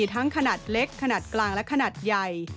ทั้งขนาดเล็กขนาดกลางและขนาดใหญ่